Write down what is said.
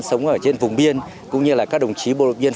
sống ở trên vùng biên cũng như là các đồng chí